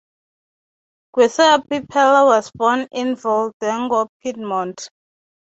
Giuseppe Pella was born in Valdengo, Piedmont.